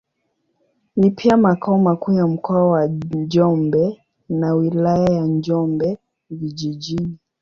Ni pia makao makuu ya Mkoa wa Njombe na Wilaya ya Njombe Vijijini.